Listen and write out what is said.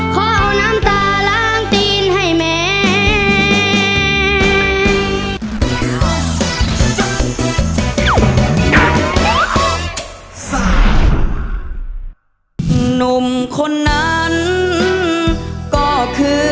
ขอเอาน้ำตาล้างตีนให้แม่